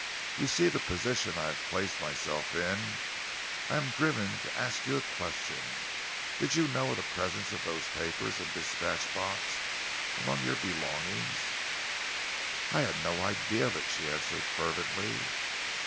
You see the position I have placed myself in. I am driven to ask you a question. Did you know of the presence of those papers and dispatch box amongst your belongings?" "I had no idea of it," she answered fervently.